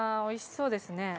「おいしそうですね」